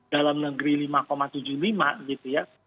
dalam negeri lima tujuh puluh lima gitu ya